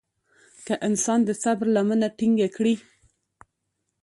که انسان د صبر لمنه ټينګه کړي.